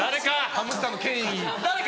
ハムスターの権威。